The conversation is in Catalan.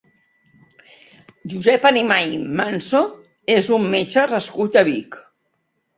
Josep Arimany Manso és un metge nascut a Vic.